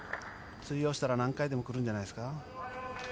通用したら何回でも来るんじゃないですか。